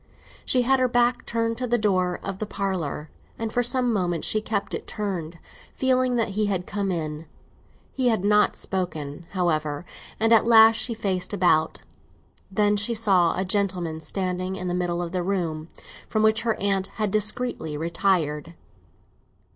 She had her back turned to the door of the parlour, and for some moments she kept it turned, feeling that he had come in. He had not spoken, however, and at last she faced about. Then she saw a gentleman standing in the middle of the room, from which her aunt had discreetly retired.